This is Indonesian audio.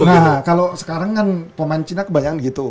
nah kalau sekarang kan pemain cina kebanyakan gitu